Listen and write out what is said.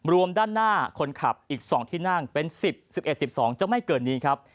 รวมด้านหน้าคนขับอีกสองที่นั่งเป็นสิบสิบเอ็ดสิบสองจะไม่เกินนี้ครับ